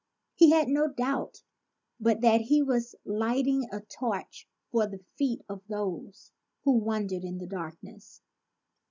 He had no doubt but that he was lighting a torch for the feet of those who wander in darkness.